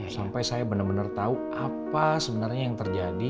sampai saya bener bener tau apa sebenarnya yang terjadi